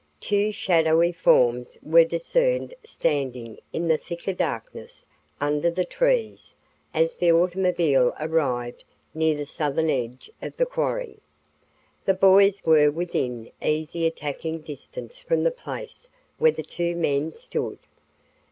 Two shadowy forms were discerned standing in the thicker darkness under the trees as the automobile arrived near the Southern edge of the quarry. The boys were within easy attacking distance from the place where the two men stood.